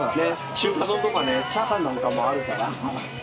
中華丼とかチャーハンなんかもあるから。